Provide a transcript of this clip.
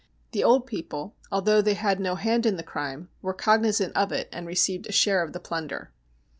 The old people, although they had no hand in the crime, were cognisant of it, and received a share of the plunder.